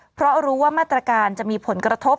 เพราะรู้ว่ามาตรการจะมีผลกระทบ